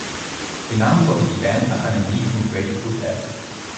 Benannt wurde die Band nach einem Lied von Grateful Dead.